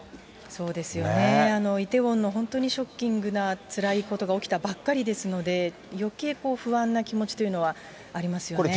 そうですよね、イテウォンの本当にショッキングなつらいことが起きたばっかりですので、よけい不安な気持ちというのはありますよね。